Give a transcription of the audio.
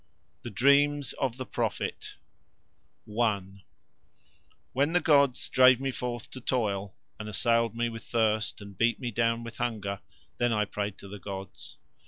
THE DREAMS OF THE PROPHET I When the gods drave me forth to toil and assailed me with thirst and beat me down with hunger, then I prayed to the gods.